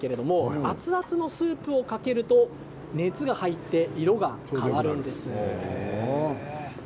熱々のスープをかけると熱が入って色が変わるんです。